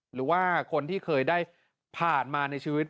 หรือว่าคนที่เคยได้ผ่านมาในชีวิต